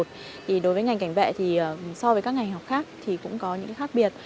thì đối với ngành cảnh vệ thì so với các ngành học khác thì cũng có những khác biệt